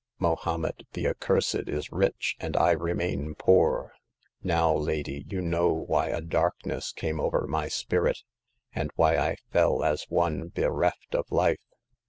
Mohommed the accursed is rich, and I remain poor. Now, lady, you know why a darkness came over my spirit, and why I fell as one bereft of life.